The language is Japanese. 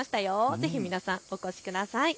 ぜひ皆さんお越しください。